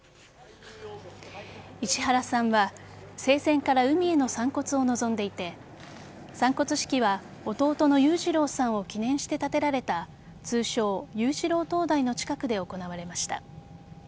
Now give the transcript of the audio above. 石原さんは生前から海への散骨を望んでいて散骨式は弟の裕次郎さんを記念して立てられた通称・裕次郎灯台の近くで行われました。